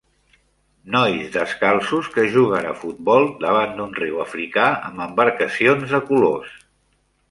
Nois descalços que juguen a futbol davant d'un riu africà amb embarcacions de colors.